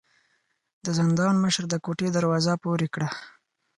د زندان مشر د کوټې دروازه پورې کړه.